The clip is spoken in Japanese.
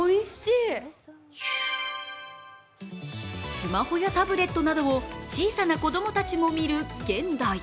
スマホやタブレットなどを小さな子供たちも見る現代。